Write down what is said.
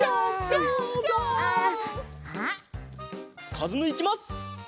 かずむいきます！